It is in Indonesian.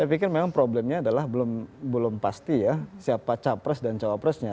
saya pikir memang problemnya adalah belum pasti ya siapa capres dan cawapresnya